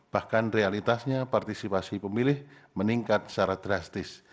bahkan realitasnya partisipasi pemilih meningkat secara drastis